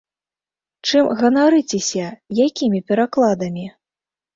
Чым ганарыцеся, якімі перакладамі?